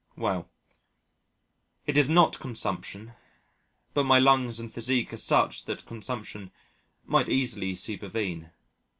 Well: it is not consumption, but my lungs and physique are such that consumption might easily supervene.